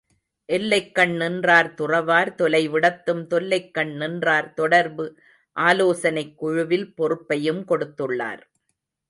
எல்லைக்கண் நின்றார் துறவார் தொலை விடத்தும் தொல்லைக்கண் நின்றார் தொடர்பு ஆலோசனைக் குழுவில் பொறுப்பையும் கொடுத்துள்ளார்.